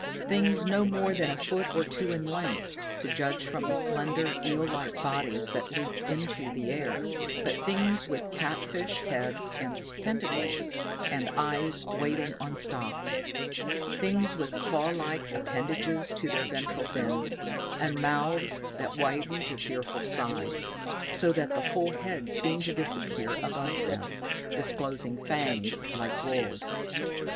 Things no more than a foot or two in length, to judge from the slender, eel like bodies that leaped into the air, but things with catfish heads and tentacles, and eyes waving on stalks; things with clawlike appendages to their ventral fins, and mouths that widened to fearful size, so that the whole head seemed to disappear above them, disclosing fangs like wolves'.